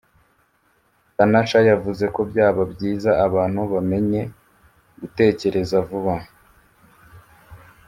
Tanasha yavuze ko byaba byiza abantu bamenye gutekereza vuba.